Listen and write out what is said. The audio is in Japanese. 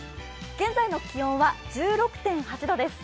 現在の気温は１６．８度です。